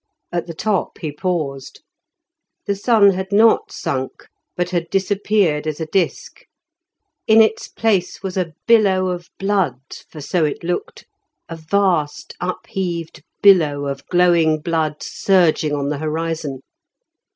At the top he paused. The sun had not sunk, but had disappeared as a disk. In its place was a billow of blood, for so it looked, a vast up heaved billow of glowing blood surging on the horizon.